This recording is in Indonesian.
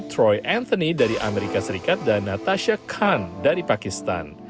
troy anthony dari amerika serikat dan natasha khan dari pakistan